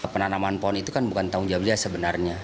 penanaman pohon itu kan bukan tanggung jawab dia sebenarnya